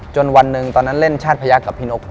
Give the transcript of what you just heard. วันหนึ่งตอนนั้นเล่นชาติพยักษ์กับพี่นก